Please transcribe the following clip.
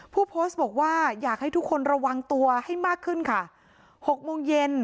ผู้โพสต์บอกว่าอยากให้ทุกคนระวังตัวให้มากขึ้นค่ะหกโมงเย็น